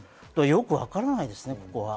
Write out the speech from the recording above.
よくわからないですね。